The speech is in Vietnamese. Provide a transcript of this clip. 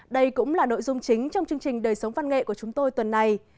đây cũng là nội dung chính trong chương trình đời sống văn nghệ của chúng tôi tuần này